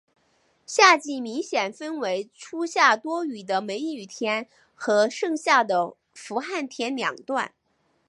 夏季明显分为初夏多雨的梅雨天和盛夏的伏旱天两段。